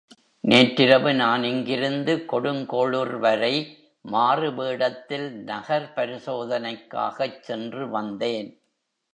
நேற்றிரவு நான் இங்கிருந்து கொடுங்கோளுர்வரை மாறு வேடத்தில் நகர் பரிசோதனைக்காகச் சென்று வந்தேன்.